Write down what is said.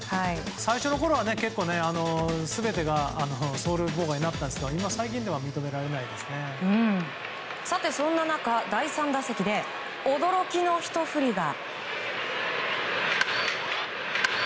最初のころは全てが走路妨害になったんですがそんな中第３打席で驚きのひと振りが。